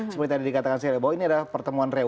seperti yang tadi dikatakan saya ini adalah pertemuan relevan